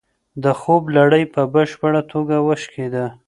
د خوب لړۍ په بشپړه توګه وشکېده.